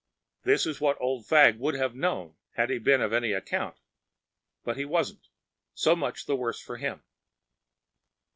This is what Old Fagg would have known had he been of any account. But he wasn’t. So much the worse for him.